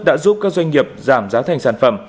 đã giúp các doanh nghiệp giảm giá thành sản phẩm